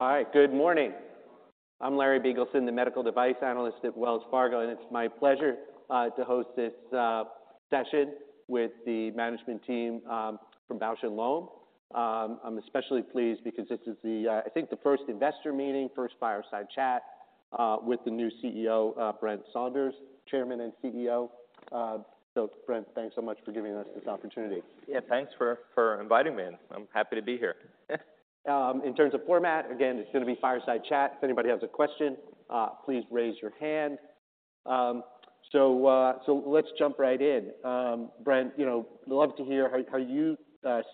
All right, good morning. I'm Larry Biegelsen, the medical device analyst at Wells Fargo, and it's my pleasure to host this session with the management team from Bausch + Lomb. I'm especially pleased because this is the, I think the first investor meeting, first fireside chat with the new CEO, Brent Saunders, Chairman and CEO. So Brent, thanks so much for giving us this opportunity. Yeah, thanks for inviting me in. I'm happy to be here. In terms of format, again, it's gonna be fireside chat. If anybody has a question, please raise your hand. So, let's jump right in. Brent, you know, love to hear how you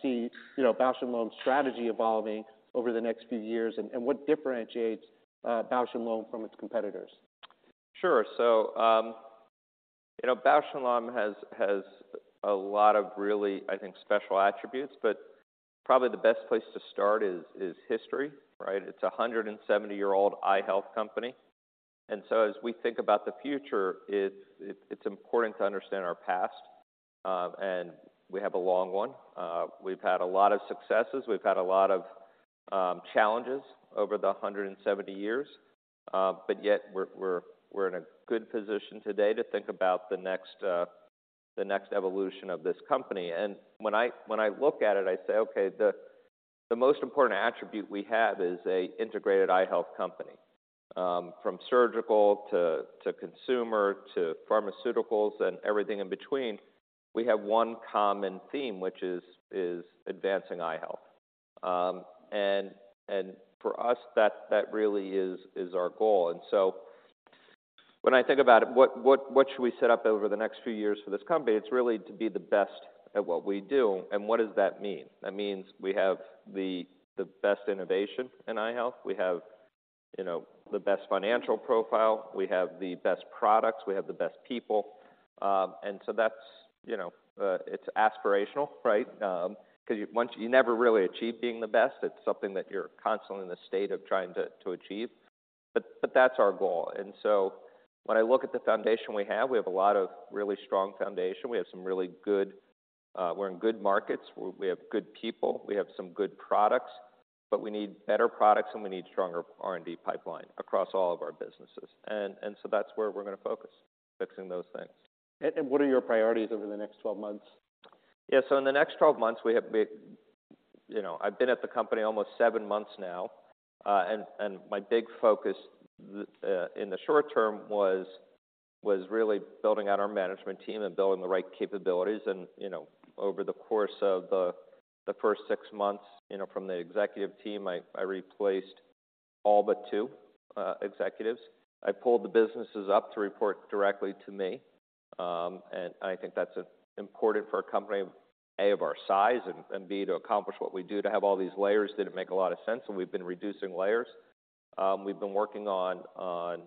see, you know, Bausch + Lomb's strategy evolving over the next few years and what differentiates Bausch + Lomb from its competitors. Sure. So, you know, Bausch + Lomb has a lot of really, I think, special attributes, but probably the best place to start is history, right? It's a 170-year-old eye health company. And so as we think about the future, it's important to understand our past, and we have a long one. We've had a lot of successes, we've had a lot of challenges over the 170 years, but yet we're in a good position today to think about the next, the next evolution of this company. And when I look at it, I say, "Okay, the most important attribute we have is a integrated eye health company." From surgical to consumer to pharmaceuticals and everything in between, we have one common theme, which is advancing eye health. And for us, that really is our goal. So when I think about it, what should we set up over the next few years for this company? It's really to be the best at what we do. And what does that mean? That means we have the best innovation in eye health. We have, you know, the best financial profile. We have the best products. We have the best people. And so that's, you know, it's aspirational, right? 'Cause you never really achieve being the best. It's something that you're constantly in the state of trying to achieve, but that's our goal. And so when I look at the foundation we have, we have a lot of really strong foundation. We have some really good. We're in good markets. We have good people. We have some good products, but we need better products, and we need stronger R&D pipeline across all of our businesses. And so that's where we're gonna focus, fixing those things. What are your priorities over the next twelve months? Yeah. So in the next 12 months, we have big. You know, I've been at the company almost seven months now, and my big focus in the short term was really building out our management team and building the right capabilities. You know, over the course of the first six months, you know, from the executive team, I replaced all but two executives. I pulled the businesses up to report directly to me, and I think that's important for a company, A, of our size, and B, to accomplish what we do. To have all these layers didn't make a lot of sense, and we've been reducing layers. We've been working on,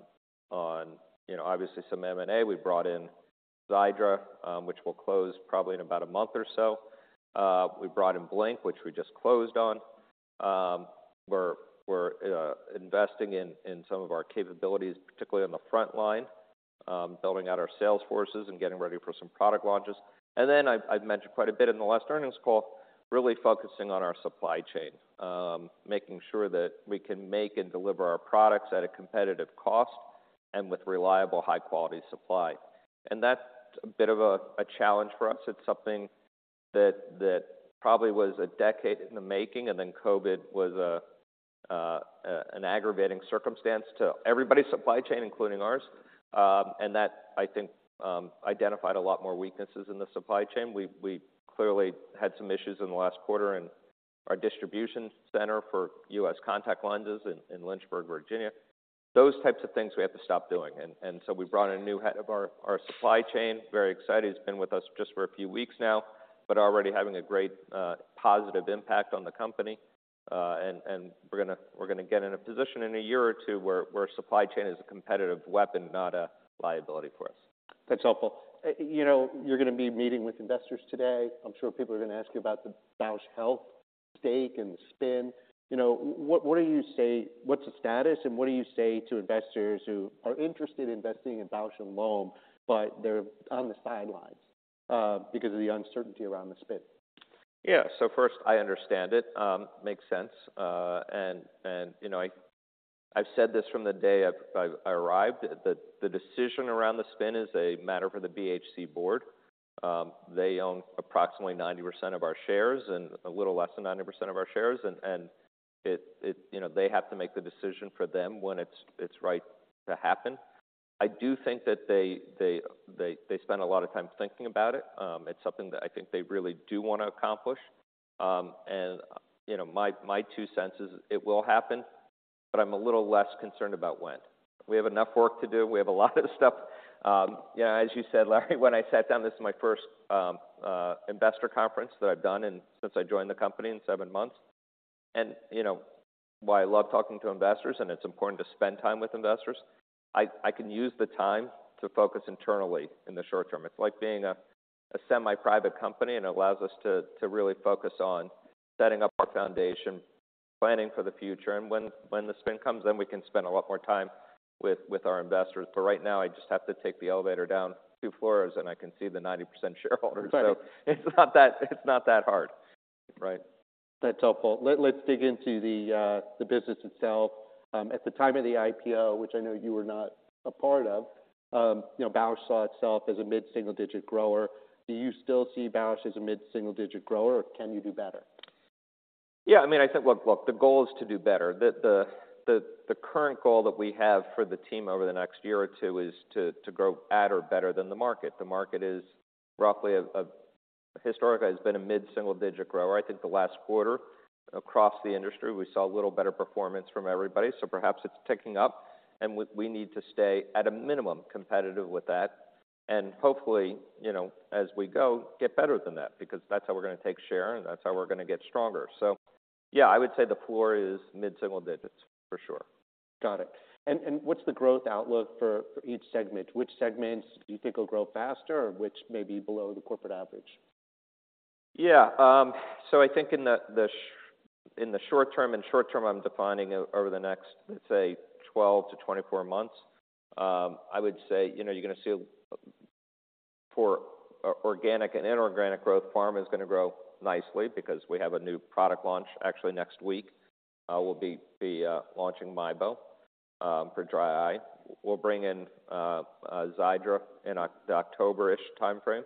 you know, obviously some M&A. We brought in XIIDRA, which will close probably in about a month or so. We brought in Blink, which we just closed on. We're investing in some of our capabilities, particularly on the front line, building out our sales forces and getting ready for some product launches. And then I've mentioned quite a bit in the last earnings call, really focusing on our supply chain. Making sure that we can make and deliver our products at a competitive cost and with reliable, high-quality supply. And that's a bit of a challenge for us. It's something that probably was a decade in the making, and then COVID was an aggravating circumstance to everybody's supply chain, including ours. And that, I think, identified a lot more weaknesses in the supply chain. We clearly had some issues in the last quarter, and our distribution center for U.S. contact lenses in Lynchburg, Virginia, those types of things we have to stop doing. And so we brought in a new head of our supply chain, very excited. He's been with us just for a few weeks now, but already having a great positive impact on the company. And we're gonna get in a position in a year or two where supply chain is a competitive weapon, not a liability for us. That's helpful. You know, you're gonna be meeting with investors today. I'm sure people are gonna ask you about the Bausch Health stake and the spin. You know, what's the status, and what do you say to investors who are interested in investing in Bausch + Lomb, but they're on the sidelines because of the uncertainty around the spin? Yeah. So first, I understand it makes sense. And, you know, I've said this from the day I've arrived, that the decision around the spin is a matter for the BHC board. They own approximately 90% of our shares, and a little less than 90% of our shares, and it, you know, they have to make the decision for them when it's right to happen. I do think that they spend a lot of time thinking about it. It's something that I think they really do want to accomplish. And, you know, my two cents is it will happen, but I'm a little less concerned about when. We have enough work to do. We have a lot of stuff. You know, as you said, Larry, when I sat down, this is my first investor conference that I've done since I joined the company in seven months. You know, while I love talking to investors and it's important to spend time with investors, I can use the time to focus internally in the short term. It's like being a semi-private company, and it allows us to really focus on setting up our foundation, planning for the future, and when the spin comes, then we can spend a lot more time with our investors. Right now, I just have to take the elevator down two floors, and I can see the 90% shareholder. It's not that hard. Right. That's helpful. Let's dig into the business itself. At the time of the IPO, which I know you were not a part of, you know, Bausch saw itself as a mid-single-digit grower. Do you still see Bausch as a mid-single-digit grower, or can you do better? Yeah, I mean, I think, look, the goal is to do better. The current goal that we have for the team over the next year or two is to grow at or better than the market. The market is roughly historically has been a mid-single-digit grower. I think the last quarter, across the industry, we saw a little better performance from everybody, so perhaps it's ticking up, and we need to stay at a minimum competitive with that. And hopefully, you know, as we go, get better than that, because that's how we're going to take share, and that's how we're going to get stronger. So yeah, I would say the floor is mid-single digits, for sure. Got it. And what's the growth outlook for each segment? Which segments do you think will grow faster or which may be below the corporate average? Yeah, so I think in the short term, and short term, I'm defining over the next, let's say, 12-24 months. I would say, you know, you're going to see for organic and inorganic growth, pharma is going to grow nicely because we have a new product launch. Actually, next week, we'll be launching MIEBO for dry eye. We'll bring in XIIDRA in the October-ish timeframe.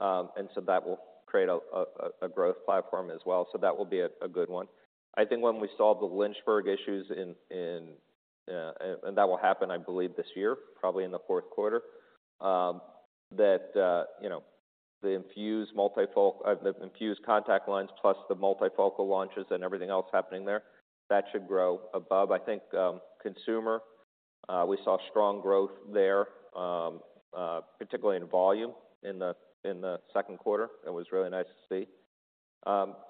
And so that will create a growth platform as well. So that will be a good one. I think when we solve the Lynchburg issues in. And that will happen, I believe, this year, probably in the fourth quarter. That, you know, the INFUSE multifocal, the INFUSE contact lens plus the multifocal launches and everything else happening there, that should grow above. I think, consumer, we saw strong growth there, particularly in volume in the second quarter. It was really nice to see.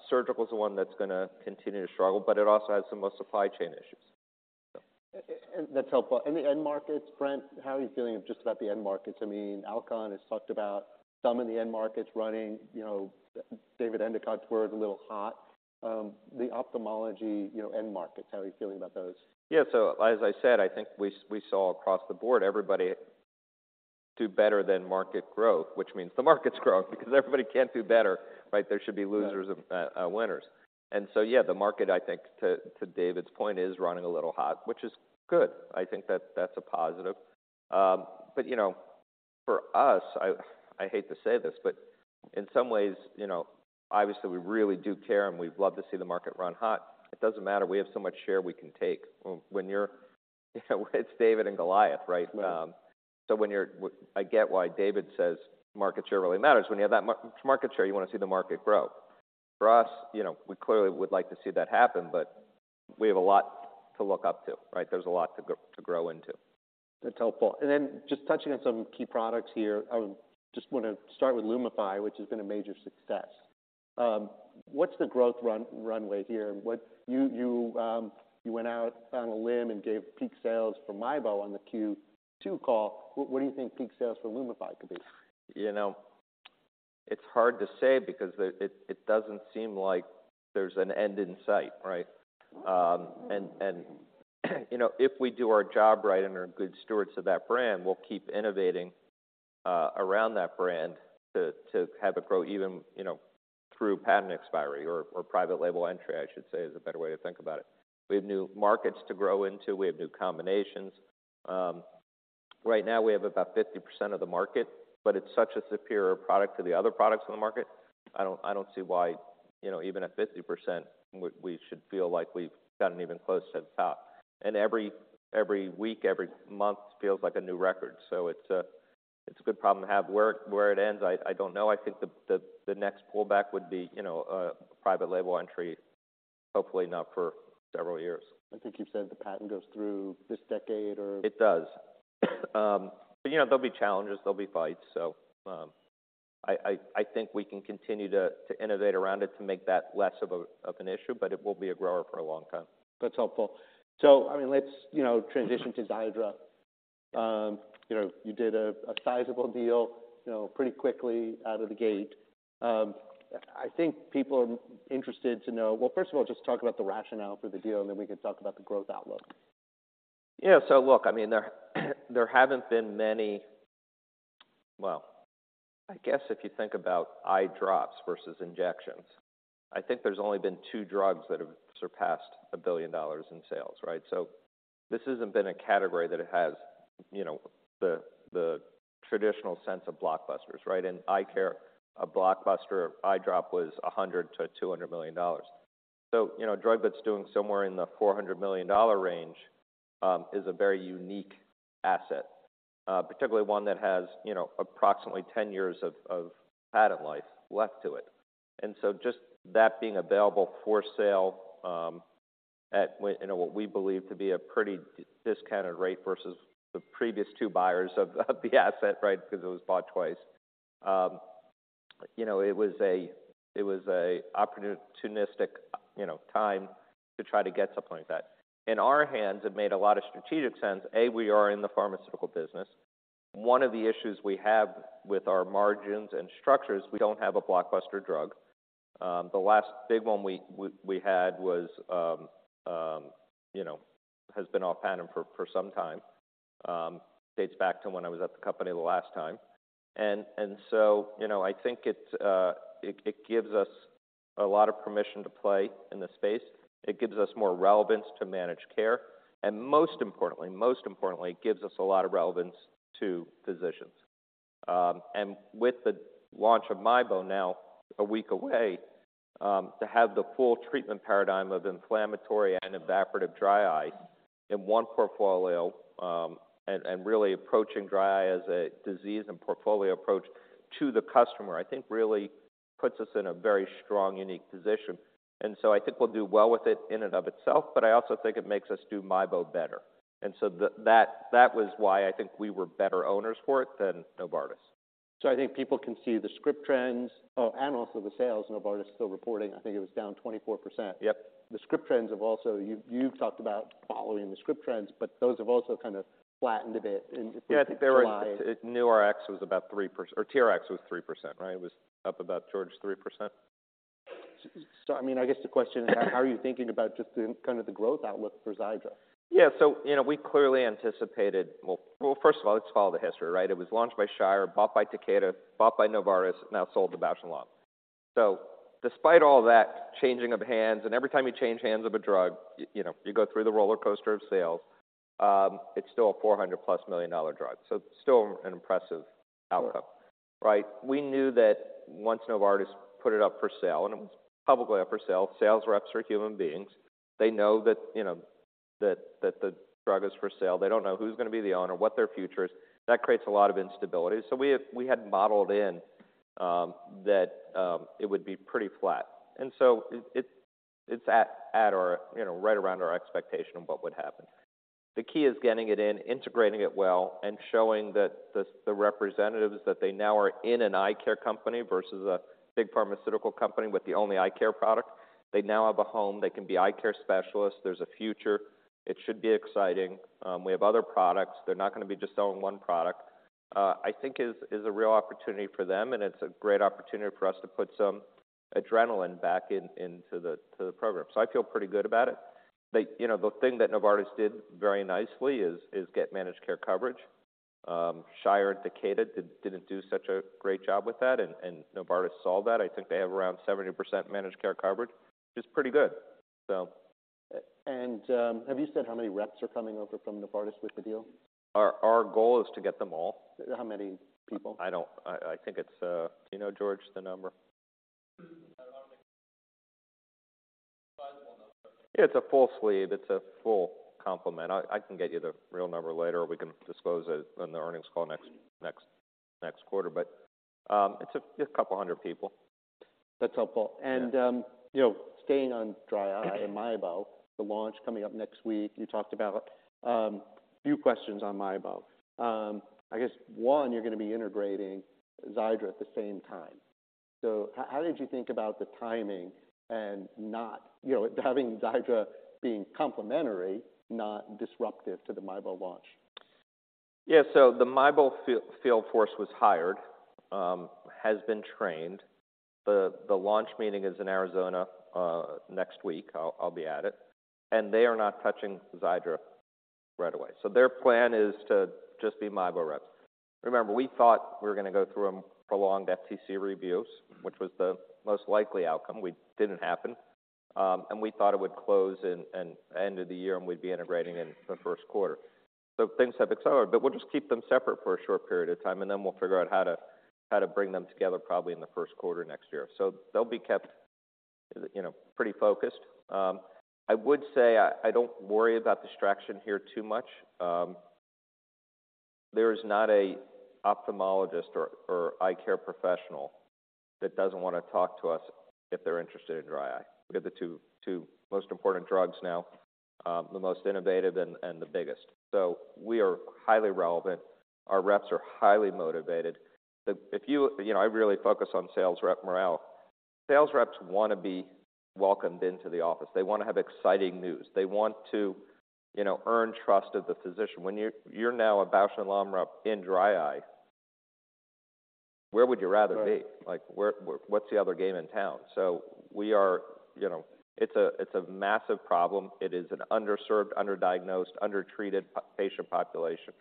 Surgical is the one that's going to continue to struggle, but it also has the most supply chain issues. So... That's helpful. In the end markets, Brent, how are you feeling just about the end markets? I mean, Alcon has talked about some of the end markets running, you know, David Endicott's word, a little hot. The ophthalmology, you know, end markets, how are you feeling about those? Yeah, so as I said, I think we saw across the board, everybody do better than market growth, which means the market's growing because everybody can't do better, right? There should be- Right... losers and, winners. And so, yeah, the market, I think, to, to David's point, is running a little hot, which is good. I think that's, that's a positive. But you know, for us, I, I hate to say this, but in some ways, you know, obviously, we really do care, and we'd love to see the market run hot. It doesn't matter. We have so much share we can take. When you're, it's David and Goliath, right? Right. I get why David says market share really matters. When you have that market share, you want to see the market grow. For us, you know, we clearly would like to see that happen, but we have a lot to look up to, right? There's a lot to go, to grow into. That's helpful. Then just touching on some key products here, I just want to start with LUMIFY, which has been a major success. What's the growth runway here? You went out on a limb and gave peak sales for MIEBO on the Q2 call. What do you think peak sales for LUMIFY could be? You know, it's hard to say because it doesn't seem like there's an end in sight, right? And you know, if we do our job right and are good stewards of that brand, we'll keep innovating around that brand to have it grow even, you know, through patent expiry or private label entry, I should say, is a better way to think about it. We have new markets to grow into. We have new combinations. Right now, we have about 50% of the market, but it's such a superior product to the other products in the market. I don't see why, you know, even at 50%, we should feel like we've gotten even close to the top. And every week, every month feels like a new record. So it's a good problem to have. Where it ends, I don't know. I think the next pullback would be, you know, a private label entry, hopefully not for several years. I think you've said the patent goes through this decade, or? It does. But you know, there'll be challenges, there'll be fights. So, I think we can continue to innovate around it to make that less of an issue, but it will be a grower for a long time. That's helpful. So, I mean, let's, you know, transition to XIIDRA. You know, you did a sizable deal, you know, pretty quickly out of the gate. I think people are interested to know. Well, first of all, just talk about the rationale for the deal, and then we can talk about the growth outlook. Yeah, so look, I mean, there haven't been many. Well, I guess if you think about eye drops versus injections, I think there's only been two drugs that have surpassed $1 billion in sales, right? So this hasn't been a category that has, you know, the traditional sense of blockbusters, right? In eye care, a blockbuster eye drop was $100 million-$200 million. So, you know, a drug that's doing somewhere in the $400 million range is a very unique asset, particularly one that has, you know, approximately 10 years of patent life left to it. And so just that being available for sale at in what we believe to be a pretty discounted rate versus the previous two buyers of the asset, right? Because it was bought twice. You know, it was an opportunistic, you know, time to try to get something like that. In our hands, it made a lot of strategic sense. We are in the pharmaceutical business. One of the issues we have with our margins and structures, we don't have a blockbuster drug. The last big one we had was, you know, has been off patent for some time. It dates back to when I was at the company the last time. So, you know, I think it gives us a lot of permission to play in the space. It gives us more relevance to managed care, and most importantly, it gives us a lot of relevance to physicians. And with the launch of MIEBO now a week away, to have the full treatment paradigm of inflammatory and evaporative dry eye in one portfolio, and, and really approaching dry eye as a disease and portfolio approach to the customer, I think really puts us in a very strong, unique position. And so I think we'll do well with it in and of itself, but I also think it makes us do MIEBO better. And so that, that was why I think we were better owners for it than Novartis. I think people can see the script trends, oh, and also the sales. Novartis is still reporting. I think it was down 24%. Yep. The script trends have also. You, you've talked about following the script trends, but those have also kind of flattened a bit in July. Yeah, New Rx was about 3%, or TRx was 3%, right? It was up about, George, 3%. So, I mean, I guess the question is, how are you thinking about just the, kind of the growth outlook for XIIDRA? Yeah, so you know, we clearly anticipated. Well, well, first of all, let's follow the history, right? It was launched by Shire, bought by Takeda, bought by Novartis, now sold to Bausch + Lomb. So despite all that changing of hands, and every time you change hands of a drug, you know, you go through the rollercoaster of sales, it's still a $400+ million drug. So still an impressive outcome. Sure. Right? We knew that once Novartis put it up for sale, and it was publicly up for sale, sales reps are human beings. They know that, you know, that, that the drug is for sale. They don't know who's going to be the owner, what their future is. That creates a lot of instability. So we, we had modeled in, that it would be pretty flat. And so it, it, it's at, at our, you know, right around our expectation of what would happen. The key is getting it in, integrating it well, and showing that the, the representatives, that they now are in an eye care company versus a big pharmaceutical company with the only eye care product. They now have a home. They can be eye care specialists. There's a future. It should be exciting. We have other products. They're not going to be just selling one product. I think it's a real opportunity for them, and it's a great opportunity for us to put some adrenaline back into the program. So I feel pretty good about it. They, you know, the thing that Novartis did very nicely is get managed care coverage. Shire and Takeda didn't do such a great job with that, and Novartis solved that. I think they have around 70% managed care coverage, which is pretty good, so. Have you said how many reps are coming over from Novartis with the deal? Our goal is to get them all. How many people? I don't... I think it's, do you know, George, the number? A sizable number. Yeah, it's a full sleeve. It's a full complement. I can get you the real number later, or we can disclose it in the earnings call next quarter. But, it's a couple hundred people. That's helpful. Yeah. You know, staying on dry eye- Okay... and MIEBO, the launch coming up next week, you talked about, a few questions on MIEBO. I guess one, you're going to be integrating XIIDRA at the same time. So how, how did you think about the timing and not, you know, having XIIDRA being complementary, not disruptive to the MIEBO launch? Yeah, so the MIEBO field force was hired, has been trained. The launch meeting is in Arizona next week. I'll be at it. And they are not touching XIIDRA right away. So their plan is to just be MIEBO reps. Remember, we thought we were going to go through a prolonged FTC reviews, which was the most likely outcome, which didn't happen. And we thought it would close in end of the year, and we'd be integrating in the first quarter. So things have accelerated, but we'll just keep them separate for a short period of time, and then we'll figure out how to bring them together, probably in the first quarter next year. So they'll be kept, you know, pretty focused. I would say I don't worry about distraction here too much. There's not an ophthalmologist or, or eye care professional that doesn't want to talk to us if they're interested in dry eye. We've got the two, two most important drugs now, the most innovative and, and the biggest. So we are highly relevant. Our reps are highly motivated. If you. You know, I really focus on sales rep morale. Sales reps want to be welcomed into the office. They want to have exciting news. They want to, you know, earn trust of the physician. When you're, you're now a Bausch + Lomb rep in dry eye, where would you rather be? Right. Like, where—where's the other game in town? So we are, you know, it's a massive problem. It is an underserved, underdiagnosed, undertreated patient population.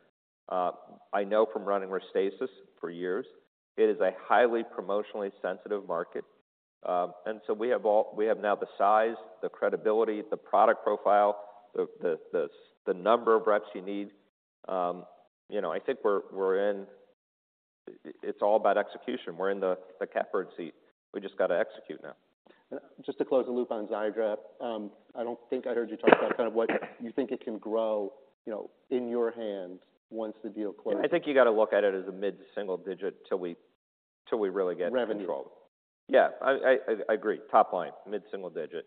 I know from running Restasis for years, it is a highly promotionally sensitive market. And so we have—we have now the size, the credibility, the product profile, the number of reps you need. You know, I think we're in. It's all about execution. We're in the catbird seat. We just got to execute now. Just to close the loop on XIIDRA, I don't think I heard you talk about kind of what you think it can grow, you know, in your hands once the deal closes? I think you got to look at it as a mid-single digit till we, till we really get- Revenue... control. Yeah, I agree. Top line, mid-single digit.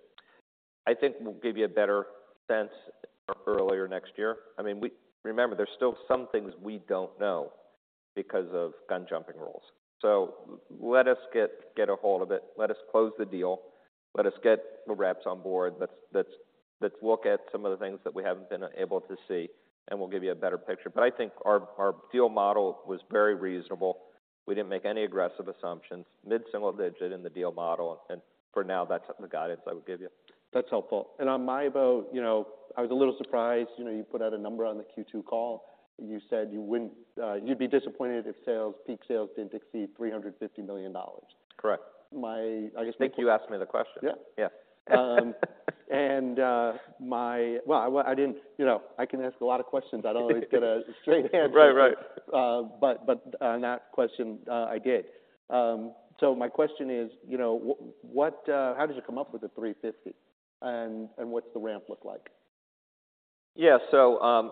I think we'll give you a better sense earlier next year. I mean, we— Remember, there's still some things we don't know because of gun jumping rules. So let us get ahold of it. Let us close the deal. Let us get the reps on board. Let's look at some of the things that we haven't been able to see, and we'll give you a better picture. But I think our deal model was very reasonable. We didn't make any aggressive assumptions. Mid-single digit in the deal model, and for now, that's the guidance I would give you. That's helpful. And on MIEBO, you know, I was a little surprised, you know, you put out a number on the Q2 call. You said you wouldn't, you'd be disappointed if sales, peak sales didn't exceed $350 million. Correct. My, I guess. I think you asked me the question. Yeah. Yes. Well, I didn't. You know, I can ask a lot of questions. I don't always get a straight answer. Right, right. But on that question, I did. So my question is, you know, how did you come up with the $350, and what's the ramp look like? Yeah, so,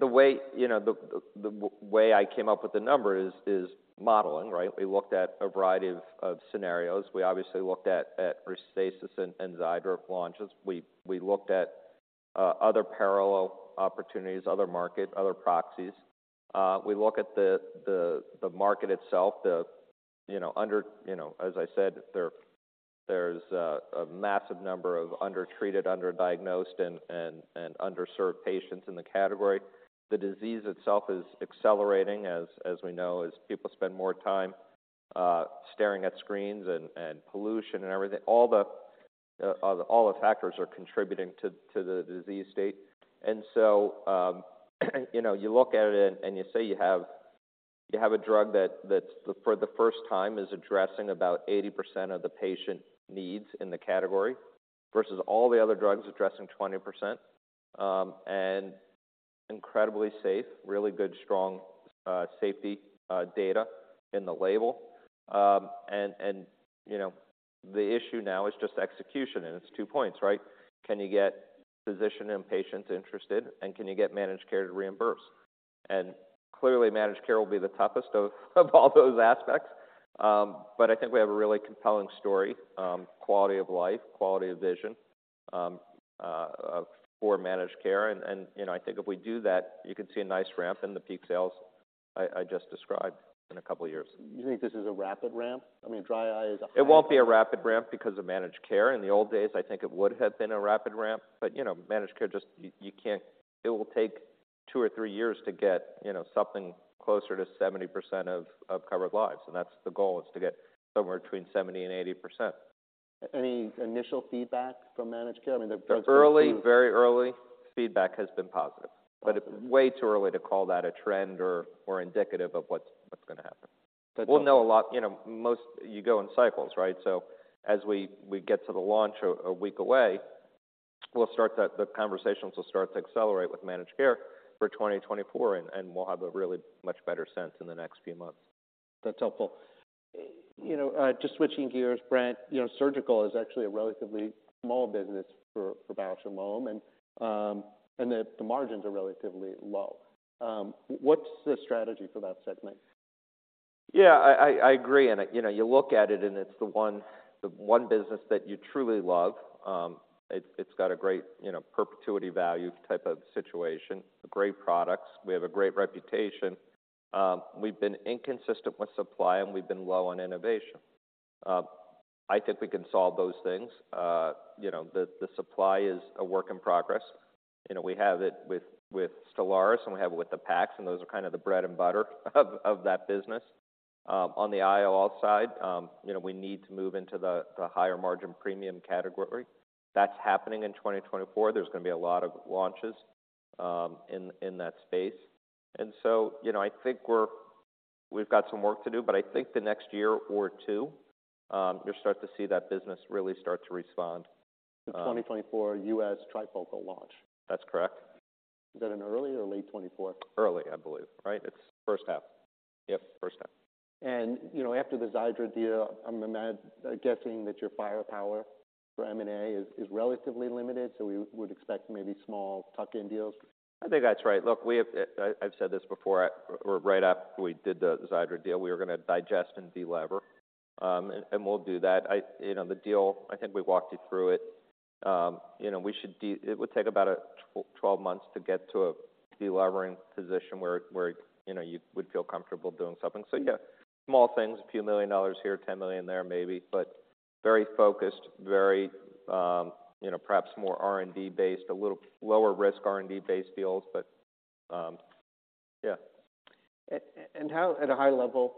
the way, you know, the way I came up with the number is modeling, right? We looked at a variety of scenarios. We obviously looked at Restasis and XIIDRA launches. We looked at other parallel opportunities, other market proxies. We look at the market itself, you know, as I said, there's a massive number of undertreated, underdiagnosed, and underserved patients in the category. The disease itself is accelerating, as we know, as people spend more time staring at screens and pollution and everything. All the factors are contributing to the disease state. And so, you know, you look at it and you say you have a drug that, for the first time, is addressing about 80% of the patient needs in the category, versus all the other drugs addressing 20%. And incredibly safe, really good, strong safety data in the label. And you know, the issue now is just execution, and it's two points, right? Can you get physician and patients interested, and can you get Managed Care to reimburse? And clearly, Managed Care will be the toughest of all those aspects. But I think we have a really compelling story, quality of life, quality of vision, for Managed Care. you know, I think if we do that, you can see a nice ramp in the peak sales I just described in a couple of years. You think this is a rapid ramp? I mean, dry eye is a- It won't be a rapid ramp because of Managed Care. In the old days, I think it would have been a rapid ramp, but, you know, Managed Care just. You can't. It will take two or three years to get, you know, something closer to 70% of covered lives, and that's the goal, is to get somewhere between 70% and 80%. Any initial feedback from Managed Care? I mean, the- Early, very early feedback has been positive, but it's way too early to call that a trend or indicative of what's going to happen. That's- We'll know a lot. You know, most. You go in cycles, right? So as we get to the launch a week away, we'll start that. The conversations will start to accelerate with managed care for 2024, and we'll have a really much better sense in the next few months. That's helpful. You know, just switching gears, Brent, you know, surgical is actually a relatively small business for Bausch + Lomb, and the margins are relatively low. What's the strategy for that segment? Yeah, I agree. And, you know, you look at it, and it's the one business that you truly love. It's got a great, you know, perpetuity value type of situation, great products. We have a great reputation. We've been inconsistent with supply, and we've been low on innovation. I think we can solve those things. You know, the supply is a work in progress. You know, we have it with Stellaris, and we have it with the packs, and those are kind of the bread and butter of that business. On the IOL side, you know, we need to move into the higher margin premium category. That's happening in 2024. There's going to be a lot of launches, in that space. And so, you know, I think we've got some work to do, but I think the next year or two, you'll start to see that business really start to respond. The 2024 US trifocal launch? That's correct. Is that an early or late 2024? Early, I believe. Right, it's first half. Yep, first half. And, you know, after the XIIDRA deal, I'm guessing that your firepower for M&A is relatively limited, so we would expect maybe small tuck-in deals. I think that's right. Look, we have. I, I've said this before, right after we did the XIIDRA deal, we were gonna digest and delever, and we'll do that. I. You know, the deal, I think we walked you through it. You know, we should. It would take about 12 months to get to a delevering position where, where, you know, you would feel comfortable doing something. So yeah, small things, a few million dollars here, $10 million there, maybe, but very focused, very, you know, perhaps more R&D-based, a little lower risk R&D-based deals. But, yeah. And how, at a high level,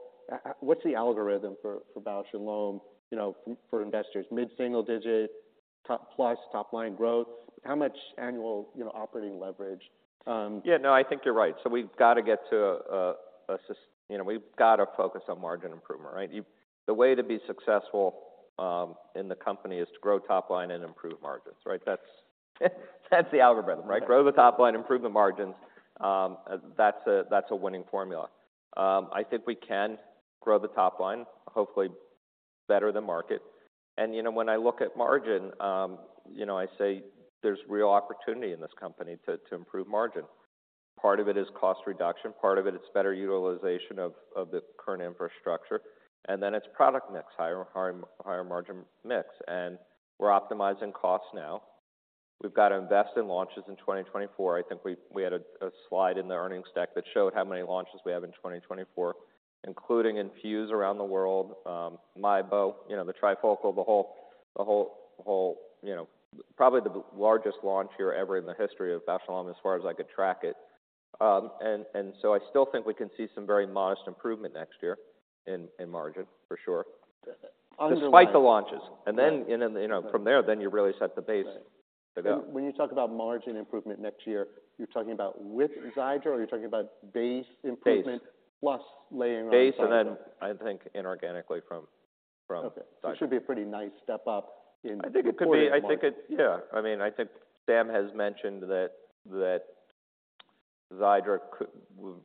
what's the algorithm for Bausch + Lomb, you know, for investors? Mid-single digit top plus top-line growth. How much annual, you know, operating leverage. Yeah. No, I think you're right. You know, we've got to focus on margin improvement, right? You, the way to be successful in the company is to grow top line and improve margins, right? That's the algorithm, right? Grow the top line, improve the margins. That's a winning formula. I think we can grow the top line, hopefully better than market. And you know, when I look at margin, you know, I say there's real opportunity in this company to improve margin. Part of it is cost reduction, part of it is better utilization of the current infrastructure, and then it's product mix, higher, higher, higher margin mix. And we're optimizing costs now. We've got to invest in launches in 2024. I think we had a slide in the earnings deck that showed how many launches we have in 2024, including INFUSE around the world, you know, MIEBO, the trifocal, the whole, you know, probably the largest launch year ever in the history of Bausch + Lomb, as far as I could track it. And so I still think we can see some very modest improvement next year in margin, for sure, despite the launches. And then, you know, from there, then you really set the base to go. When you talk about margin improvement next year, you're talking about with XIIDRA, or you're talking about base improvement? Base. Plus laying on XIIDRA. Base, and then I think inorganically from, from XIIDRA. Okay. It should be a pretty nice step up in- I think it could be. I think it, yeah. I mean, I think Sam has mentioned that XIIDRA could,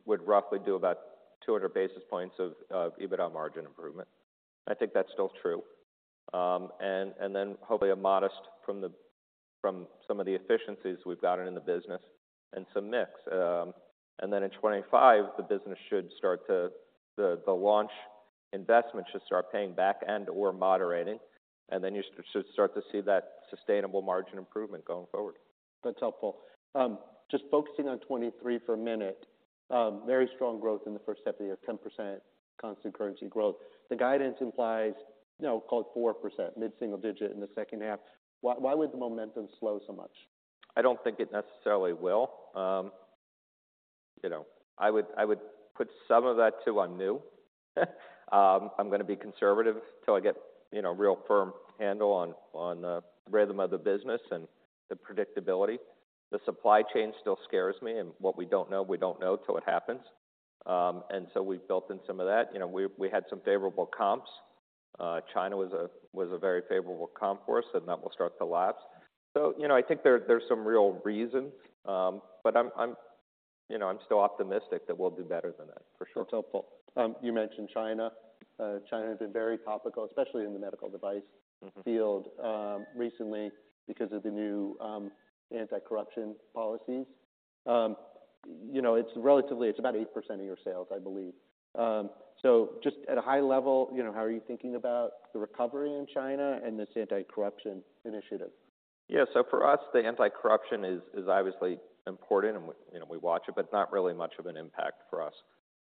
would roughly do about 200 basis points of EBITDA margin improvement. I think that's still true. And then hopefully a modest from the, from some of the efficiencies we've gotten in the business and some mix. And then in 2025, the business should start to, the launch investment should start paying back and/or moderating, and then you should start to see that sustainable margin improvement going forward. That's helpful. Just focusing on 2023 for a minute. Very strong growth in the first half of the year, 10% constant currency growth. The guidance implies, you know, call it 4%, mid single digit in the second half. Why, why would the momentum slow so much? I don't think it necessarily will. You know, I would, I would put some of that, too, on new. I'm going to be conservative till I get, you know, a real firm handle on, on the rhythm of the business and the predictability. The supply chain still scares me, and what we don't know, we don't know until it happens. And so we've built in some of that. You know, we, we had some favorable comps. China was a, was a very favorable comp for us, and that will start to lapse. So, you know, I think there, there's some real reasons, but I'm, I'm, you know, I'm still optimistic that we'll do better than that, for sure. That's helpful. You mentioned China. China has been very topical, especially in the medical device- Mm-hmm... field, recently because of the new anti-corruption policies. You know, it's about 8% of your sales, I believe. So just at a high level, you know, how are you thinking about the recovery in China and this anti-corruption initiative? Yeah. So for us, the anti-corruption is obviously important and, you know, we watch it, but it's not really much of an impact for us.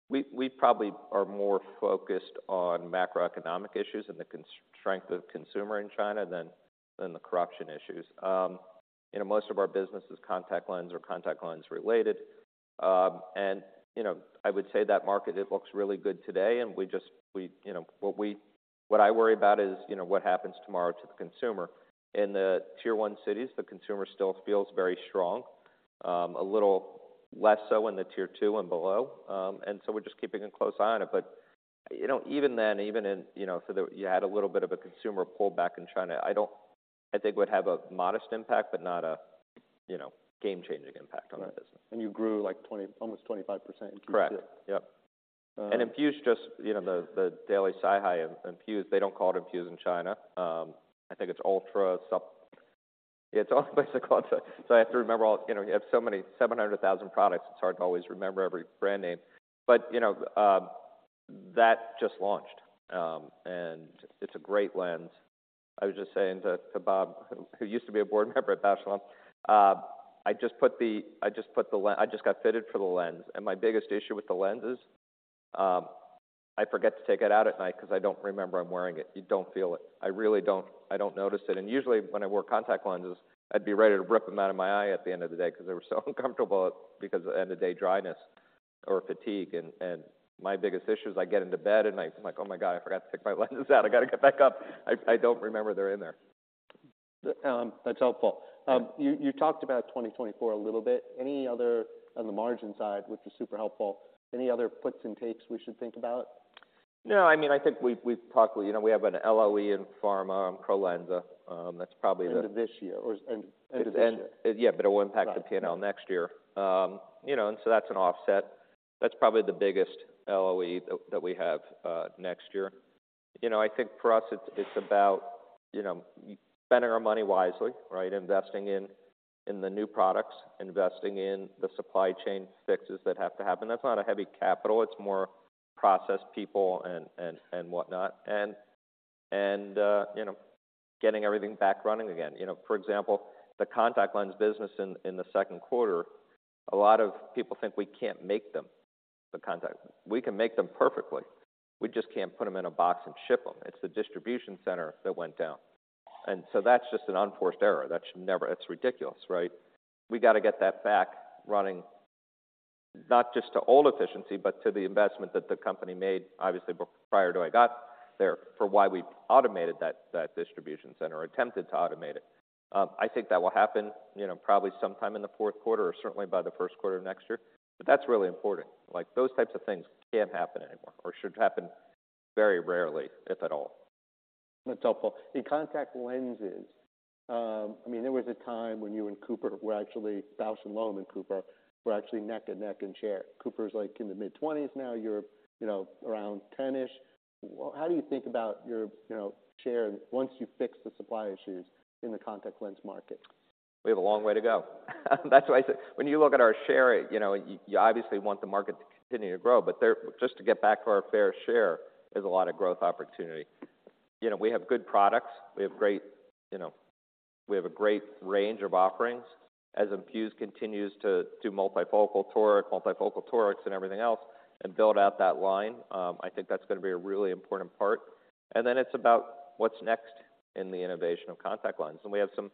We probably are more focused on macroeconomic issues and the consumer strength in China than the corruption issues. You know, most of our business is contact lens or contact lens related. And, you know, I would say that market, it looks really good today, and we just, you know, what I worry about is, you know, what happens tomorrow to the consumer. In the Tier 1 cities, the consumer still feels very strong, a little less so in the Tier 2 and below. And so we're just keeping a close eye on it. But, you know, even then, even in, you know, so that you had a little bit of a consumer pullback in China, I don't... I think would have a modest impact, but not a, you know, game-changing impact on the business. You grew, like, 20%, almost 25%. Correct. Yep. Um- Infuse just, you know, the dailies SiHy INFUSE, they don't call it Infuse in China. I think it's ULTRA. It's what they call it. So I have to remember all, you know, you have so many, 700,000 products, it's hard to always remember every brand name. But, you know, that just launched, and it's a great lens. I was just saying to Bob, who used to be a board member at Bausch + Lomb, I just got fitted for the lens, and my biggest issue with the lens is, I forget to take it out at night because I don't remember I'm wearing it. You don't feel it. I really don't, I don't notice it. And usually, when I wear contact lenses, I'd be ready to rip them out of my eye at the end of the day because they were so uncomfortable, because of end of day dryness or fatigue. And my biggest issue is I get into bed at night, I'm like, "Oh, my God, I forgot to take my lenses out. I got to get back up." I, I don't remember they're in there. That's helpful. Yeah. You talked about 2024 a little bit. Any other, on the margin side, which was super helpful, any other puts and takes we should think about? No, I mean, I think we've talked. You know, we have an LOE in pharma on PROLENSA. That's probably- End of this year, or end, end of this year? Yeah, but it will impact the P&L next year. You know, and so that's an offset. That's probably the biggest LOE that we have next year. You know, I think for us it's about you know, spending our money wisely, right? Investing in the new products, investing in the supply chain fixes that have to happen. That's not a heavy capital, it's more process people and whatnot, and you know, getting everything back running again. You know, for example, the contact lens business in the second quarter, a lot of people think we can't make them, the contact. We can make them perfectly, we just can't put them in a box and ship them. It's the distribution center that went down. And so that's just an unforced error. That should never—that's ridiculous, right? We got to get that back running, not just to old efficiency, but to the investment that the company made, obviously, prior to I got there, for why we automated that, that distribution center, attempted to automate it. I think that will happen, you know, probably sometime in the fourth quarter or certainly by the first quarter of next year. But that's really important. Like, those types of things can't happen anymore or should happen very rarely, if at all. That's helpful. In contact lenses, I mean, there was a time when you and Cooper were actually, Bausch + Lomb and Cooper were actually neck and neck in share. Cooper's like in the mid-20s now, you're, you know, around 10-ish. How do you think about your, you know, share once you fix the supply issues in the contact lens market? We have a long way to go. That's why I say, when you look at our share, you know, you obviously want the market to continue to grow, but there, just to get back to our fair share, there's a lot of growth opportunity. You know, we have good products. We have great, you know, we have a great range of offerings. As INFUSE continues to do Multifocal Toric, Multifocal Torics, and everything else, and build out that line, I think that's gonna be a really important part. And then it's about what's next in the innovation of contact lenses. And we have some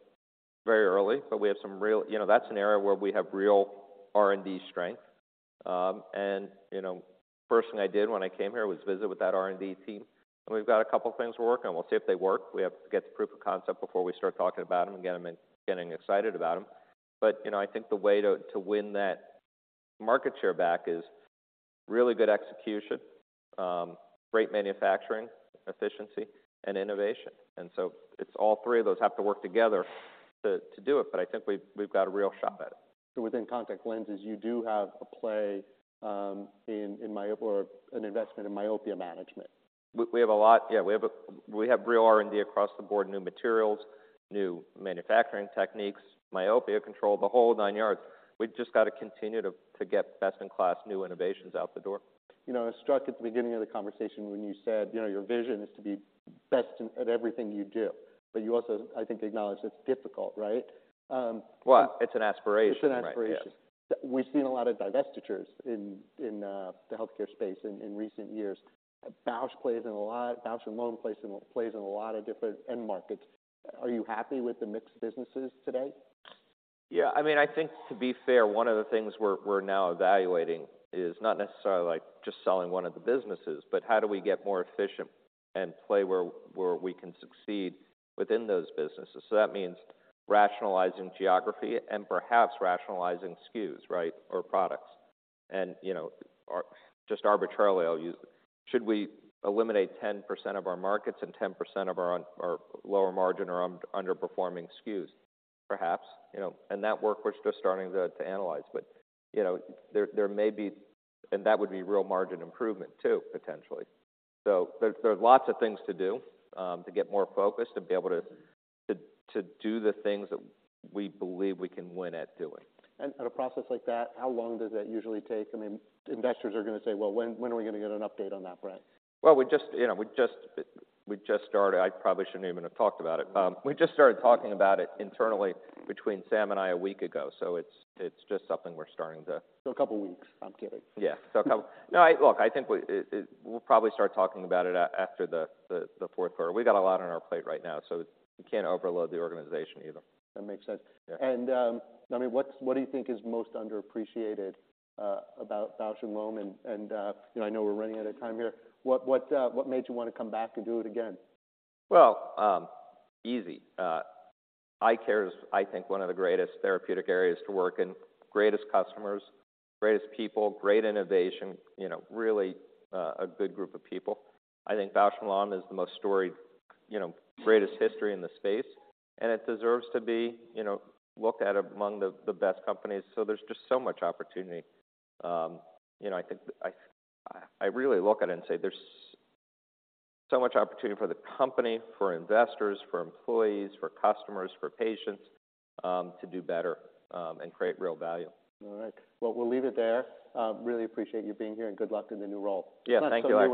very early, but we have some real. You know, that's an area where we have real R&D strength. And, you know, first thing I did when I came here was visit with that R&D team, and we've got a couple things we're working on. We'll see if they work. We have to get the proof of concept before we start talking about them and get them and getting excited about them. But, you know, I think the way to win that market share back is really good execution, great manufacturing, efficiency, and innovation. And so it's all three of those have to work together to do it, but I think we've got a real shot at it. So within contact lenses, you do have a play in myopia or an investment in myopia management? We have a lot, yeah. We have real R&D across the board, new materials, new manufacturing techniques, myopia control, the whole nine yards. We've just got to continue to get best-in-class new innovations out the door. You know, I was struck at the beginning of the conversation when you said, you know, your vision is to be best in at everything you do, but you also, I think, acknowledged it's difficult, right? Well, it's an aspiration. It's an aspiration. Yeah. We've seen a lot of divestitures in the healthcare space in recent years. Bausch + Lomb plays in a lot of different end markets. Are you happy with the mixed businesses today? Yeah, I mean, I think to be fair, one of the things we're now evaluating is not necessarily like just selling one of the businesses, but how do we get more efficient and play where we can succeed within those businesses? So that means rationalizing geography and perhaps rationalizing SKUs, right, or products. And, you know, or just arbitrarily, I'll use, should we eliminate 10% of our markets and 10% of our our lower margin or underperforming SKUs? Perhaps. You know, and that work, we're just starting to to analyze. But, you know, there, there may be, and that would be real margin improvement too, potentially. So there, there are lots of things to do, to get more focused and be able to, to do the things that we believe we can win at doing. In a process like that, how long does that usually take? I mean, investors are gonna say, "Well, when, when are we gonna get an update on that, Brent? Well, we just, you know, we just, we just started. I probably shouldn't even have talked about it. We just started talking about it internally between Sam and I a week ago, so it's, it's just something we're starting to- A couple of weeks. I'm kidding. Yeah. So a couple. No, look, I think we'll probably start talking about it after the fourth quarter. We got a lot on our plate right now, so we can't overload the organization either. That makes sense. Yeah. I mean, what do you think is most underappreciated about Bausch + Lomb? And you know, I know we're running out of time here. What made you want to come back and do it again? Well, easy. Eye care is, I think, one of the greatest therapeutic areas to work in. Greatest customers, greatest people, great innovation, you know, really a good group of people. I think Bausch + Lomb is the most storied, you know, greatest history in the space, and it deserves to be, you know, looked at among the best companies. So there's just so much opportunity. You know, I really look at it and say, "There's so much opportunity for the company, for investors, for employees, for customers, for patients, to do better and create real value. All right. Well, we'll leave it there. Really appreciate you being here, and good luck in the new role. Yeah. Thank you, Larry.